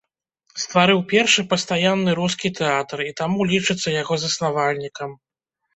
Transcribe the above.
Стварыў першы пастаянны рускі тэатр, і таму лічыцца яго заснавальнікам.